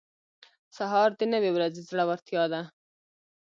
سهار د نوې ورځې زړورتیا ده.